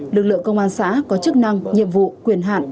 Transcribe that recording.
lực lượng công an xã có chức năng nhiệm vụ quyền hạn